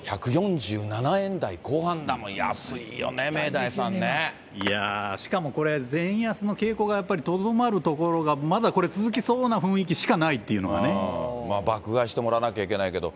１４７円台後半だもん、安いよね、いやー、しかもこれ、円安の傾向がやっぱりとどまるところがまだこれ続きそうな雰囲気爆買いしてもらわなきゃいけないけど。